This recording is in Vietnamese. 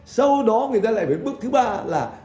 sau đó người ta lại với bước thứ ba là